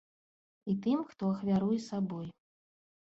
І тым, хто ахвяруе сабой.